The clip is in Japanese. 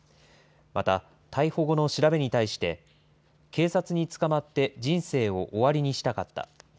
また逮捕後の調べに対して、警察に捕まって人生を終わりにしたかった。